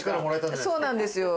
そうなんですよ